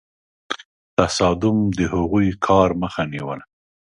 تصادم د هغوی کار مخه نیوله.